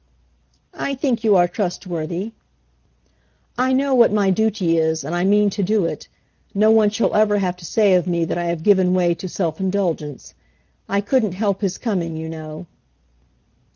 "I think you are trustworthy." "I know what my duty is and I mean to do it. No one shall ever have to say of me that I have given way to self indulgence. I couldn't help his coming, you know."